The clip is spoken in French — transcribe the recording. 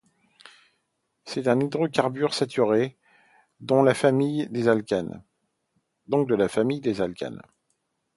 C'est un hydrocarbure saturé, donc de la famille des alcanes.